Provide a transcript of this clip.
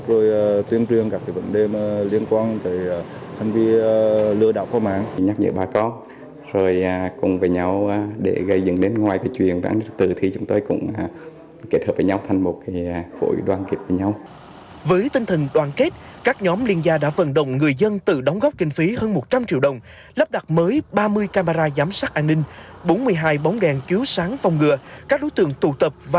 rồi tuyên truyền các dạy mươi thông báo họp rồi tuyên truyền nhắc nhở phong trọng tội phạt trồng cấp